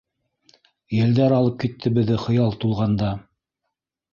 Елдәр алып китте беҙҙе Хыял тулғанда.